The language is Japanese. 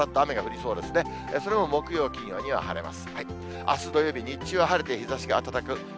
それも木曜、金曜には晴れます。